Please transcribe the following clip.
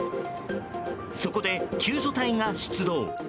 そこで、救助隊が出動。